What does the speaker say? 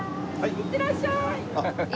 いってらっしゃい。